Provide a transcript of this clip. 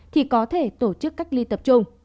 thì có thể tổ chức cách ly tập trung